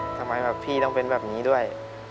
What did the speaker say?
ทำไมแบบพี่ต้องเป็นแบบนี้ด้วย